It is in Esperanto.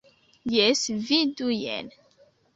Jes, vidu jen.